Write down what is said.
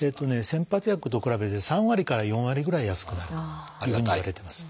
先発薬と比べて３割から４割ぐらい安くなるというふうにいわれてます。